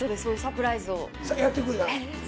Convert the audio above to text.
やってくれた。